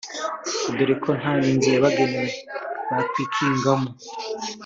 dore ko nta n’inzu yabagenewe bakwikingamo